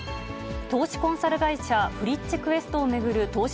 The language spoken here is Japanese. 投資コンサル会社、フリッチ・クエストを巡る投資